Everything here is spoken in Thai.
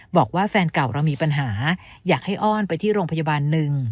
บอกว่าแฟนเก่าเรามีปัญหาอยากให้อ้อนไปที่โรงพยาบาลหนึ่ง